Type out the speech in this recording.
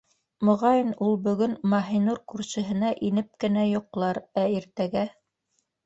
Моғайын, ул бөгөн Маһинур күршеһенә инеп кенә йоҡлар, ә иртәгә...